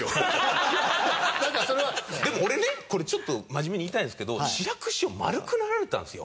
でも俺ねこれちょっと真面目に言いたいんですけど志らく師匠丸くなられたんですよ。